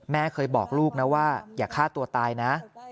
แม่เคยบอกลูกนะว่าอย่าฆ่าตัวตายนะ